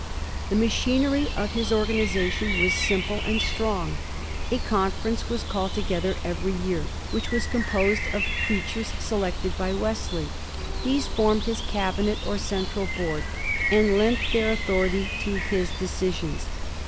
The machinery of his organization was simple and strong. A conference was called together every year, which was composed of preachers selected by Wesley. These formed his cabinet or central board, and lent their authority to his decisions.